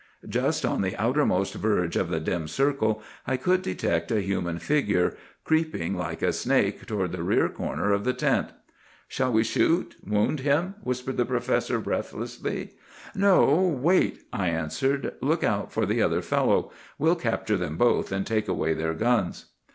"Just on the outermost verge of the dim circle, I could detect a human figure, creeping like a snake toward the rear corner of the tent. "'Shall we shoot—wound him?' whispered the professor breathlessly. "'No; wait!' I answered. 'Look out for the other fellow. We'll capture them both and take away their guns.